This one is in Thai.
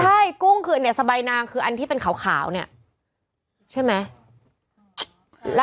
ใช่กุ้งคืออันนี้สบายนางคืออันที่เป็นขาวเนี่ยใช่ไหม